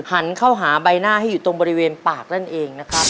หันเข้าหาใบหน้าให้อยู่ตรงบริเวณปากนั่นเองนะครับ